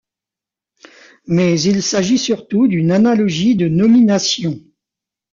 Mais il s'agit surtout d'une analogie de nomination.